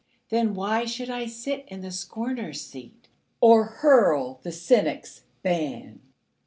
Then why should I sit in the scorner's seat, Or hurl the cynic's ban?